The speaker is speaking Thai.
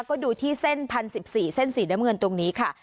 ก็ดูที่เส้น๑๐๑๔เส้นสีน้ำเงินตรงนี้ค่ะ